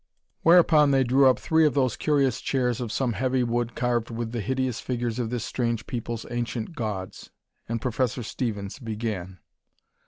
Whereupon they drew up three of those curious chairs of some heavy wood carved with the hideous figures of this strange people's ancient gods, and Professor Stevens began.